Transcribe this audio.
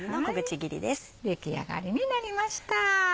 出来上がりになりました。